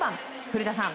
古田さん